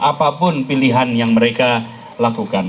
apapun pilihan yang mereka lakukan